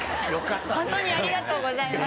ホントにありがとうございます。